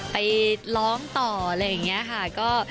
ไปร้องต่ออะไรอย่างนี้ค่ะ